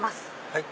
はい。